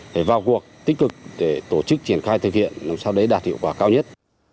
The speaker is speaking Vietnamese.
để vào cuộc tích cực để tổ chức triển khai thực hiện sau đấy đạt hiệu quả cao nhất